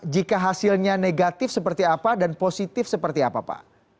jika hasilnya negatif seperti apa dan positif seperti apa pak